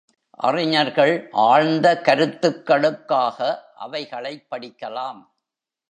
அறிஞர்கள் ஆழ்ந்த கருத்துக்களுக்காக அவைகளைப் படிக்கலாம்.